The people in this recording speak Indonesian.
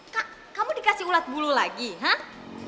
kak kamu dikasih ulat bulu lagi hah